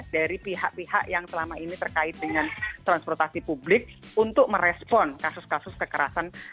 dari pihak pihak yang selama ini terkait dengan transportasi publik untuk merespon kasus kasus kekerasan